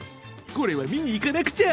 これは見に行かなくちゃ！